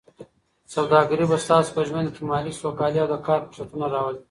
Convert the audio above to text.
سوداګري به ستاسو په ژوند کې مالي سوکالي او د کار فرصتونه راولي.